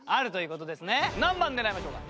何番狙いましょうか？